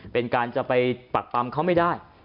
เป็นการจะไปปักปำเขาไม่ได้